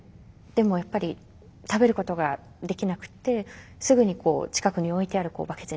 でもやっぱり食べることができなくてすぐに近くに置いてあるバケツに吐いてしまう。